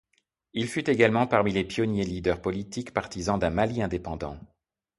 Il fut également parmi les pionniers leaders politiques partisan d'un Mali indépendant.